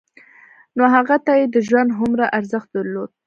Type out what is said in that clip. نو هغه ته يې د ژوند هومره ارزښت درلود.